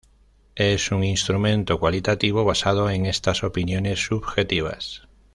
Es un instrumento cualitativo basado en estas opiniones subjetivas.